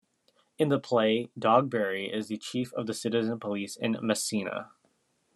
In the play, Dogberry is the chief of the citizen-police in Messina.